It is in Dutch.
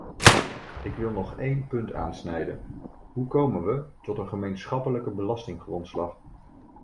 Ik wil nog één punt aansnijden: hoe komen we tot een gemeenschappelijke belastinggrondslag?